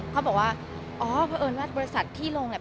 เขาบอกว่าอ๋อเพราะเอิญว่าบริษัทที่ลงเนี่ย